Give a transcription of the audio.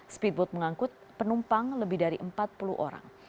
speedboat mengangkut penumpang lebih dari empat puluh orang